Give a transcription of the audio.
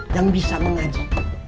yang bisa mengaji